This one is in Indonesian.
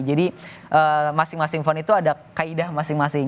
jadi masing masing font itu ada kaidah masing masing